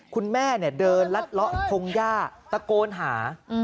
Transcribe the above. คุณแม่เดินลัดเลาะพงหญ้าตะโกนหา